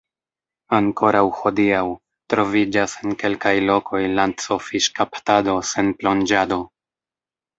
Ankoraŭ hodiaŭ, troviĝas en kelkaj lokoj lanco-fiŝkaptado sen plonĝado.